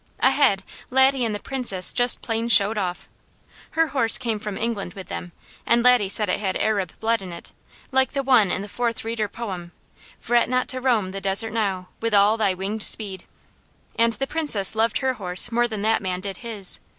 Ahead, Laddie and the Princess just plain showed off. Her horse came from England with them, and Laddie said it had Arab blood in it, like the one in the Fourth Reader poem, "Fret not to roam the desert now, With all thy winged speed," and the Princess loved her horse more than that man did his.